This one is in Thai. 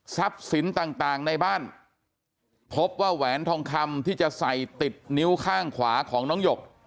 สินต่างในบ้านพบว่าแหวนทองคำที่จะใส่ติดนิ้วข้างขวาของน้องหยก